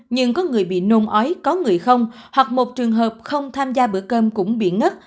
nhưng có người bị nôn ói có người không hoặc một trường hợp không tham gia bữa cơm cũng bị ngất